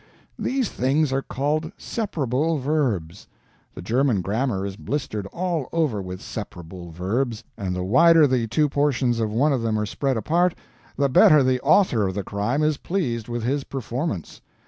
These things are called "separable verbs." The German grammar is blistered all over with separable verbs; and the wider the two portions of one of them are spread apart, the better the author of the crime is pleased with his performance.